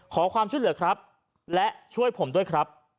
ขอความช่วยเหลือครับและช่วยผมด้วยครับ